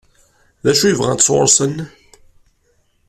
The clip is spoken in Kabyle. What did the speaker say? D acu i bɣant sɣur-sen?